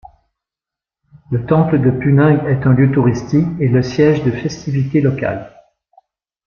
Le Temple de Puning est un lieu touristique et le siège de festivités locales.